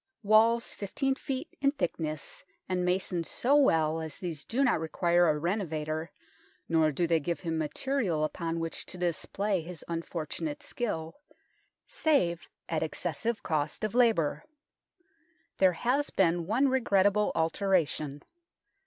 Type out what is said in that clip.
Walls 15 ft. in thickness and masoned so well as these do not require a renovator, nor do they give him material upon which to display his unfortunate skill, save at excessive cost of labour. There has been one regrettable alteration.